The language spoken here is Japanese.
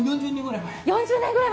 ４０年ぐらい前。